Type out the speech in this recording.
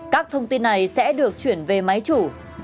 các thông tin này sẽ được chuyển về máy chủ